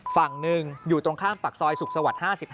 ฝั่งหนึ่งอยู่ตรงข้ามปากซอยสุขสวรรค์๕๕